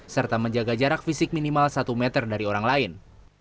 serta menjaga jarak fisik minimal satu meter dari orang lain